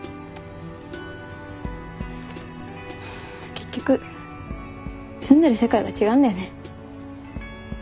結局住んでる世界が違うんだよね。